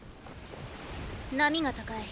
波が高い。